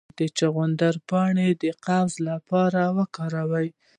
د چغندر پاڼې د قبضیت لپاره وکاروئ